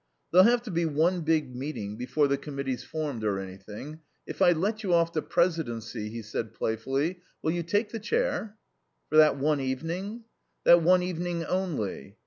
"There'll have to be one big meeting before the Committee's formed or anything. If I let you off the presidency," he said playfully, "will you take the chair?" "For that one evening?" "That one evening only."